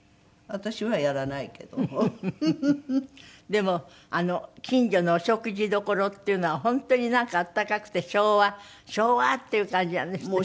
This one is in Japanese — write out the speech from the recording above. でも近所のお食事どころっていうのは本当になんか温かくて昭和昭和！っていう感じなんですって？